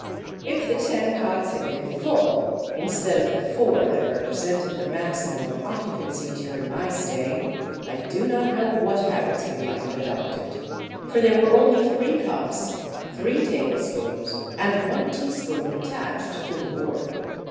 If the ten cots had been full, instead of the four that repre sented the maximum of occupancy during my stay, I do not know what habits we might have adopted; for there were only three cups, three tablespoons, and one teaspoon attached to the ward.